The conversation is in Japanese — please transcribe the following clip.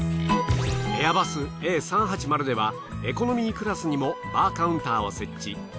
エアバスＡ３８０ではエコノミークラスにもバーカウンターを設置。